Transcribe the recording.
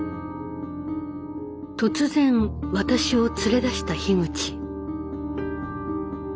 突然私を連れ出した樋口。